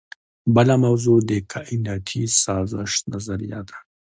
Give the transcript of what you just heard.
بله موضوع د کائناتي سازش نظریه ده.